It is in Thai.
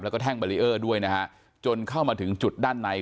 แล้วก็แท่งบารีเออร์ด้วยนะฮะจนเข้ามาถึงจุดด้านใน